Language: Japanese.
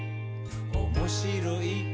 「おもしろい？